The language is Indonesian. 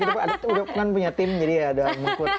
karena kita kan punya tim jadi ya udah mengkut